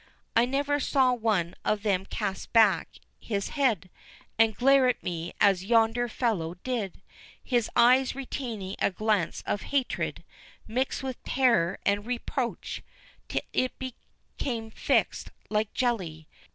"I never saw one of them cast back his head, and glare at me as yonder fellow did, his eye retaining a glance of hatred, mixed with terror and reproach, till it became fixed like a jelly.